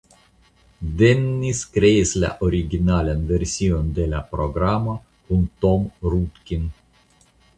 Dennis kreis la originalan version de la programo kun Tom Rudkin.